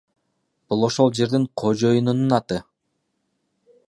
Бул ошол жердин кожоюнунун аты.